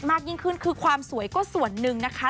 มากยิ่งขึ้นคือความสวยก็ส่วนหนึ่งนะคะ